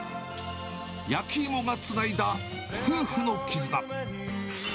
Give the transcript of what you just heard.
焼き芋がつないだ夫婦の絆。